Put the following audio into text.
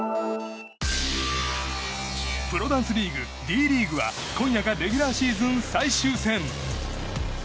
プロダンスリーグＤリーグは今夜がレギュラーシーズン最終戦。